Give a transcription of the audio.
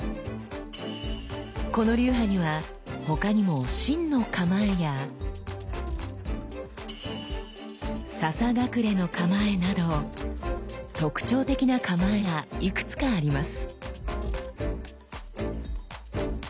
この流派には他にも「真の構え」や「笹隠れの構え」など特徴的な構えがいくつかあります。